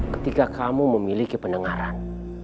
ketika kamu memiliki pendengaran